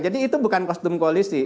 jadi itu bukan kostum koalisi